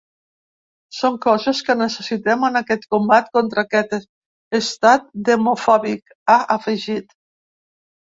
Són coses que necessitem en aquest combat contra aquest estat demofòbic, ha afegit.